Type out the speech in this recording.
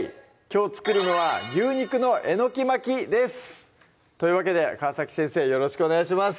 きょう作るのは「牛肉のえのき巻き」ですというわけで川先生よろしくお願いします